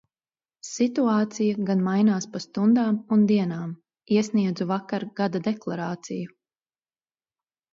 Situācija gan mainās pa stundām un dienām. Iesniedzu vakar gada deklarāciju.